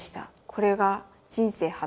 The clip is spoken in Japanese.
これが人生初。